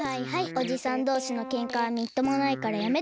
おじさんどうしのけんかはみっともないからやめて。